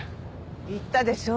言ったでしょ？